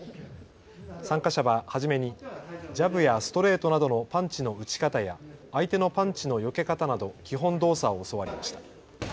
参加者は初めにジャブやストレートなどのパンチの打ち方や相手のパンチのよけ方など基本動作を教わりました。